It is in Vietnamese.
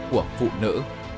của phụ nữ